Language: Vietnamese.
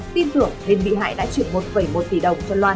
tin tưởng nên bị hại đã chuyển một một tỷ đồng cho loan